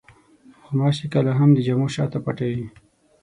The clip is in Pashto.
غوماشې کله هم د جامو شاته پټې وي.